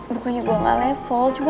bukannya gua ga level cuma